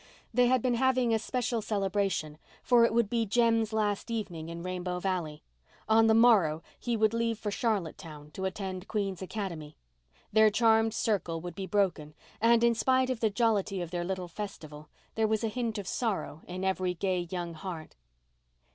They had been having a special celebration, for it would be Jem's last evening in Rainbow Valley. On the morrow he would leave for Charlottetown to attend Queen's Academy. Their charmed circle would be broken; and, in spite of the jollity of their little festival, there was a hint of sorrow in every gay young heart.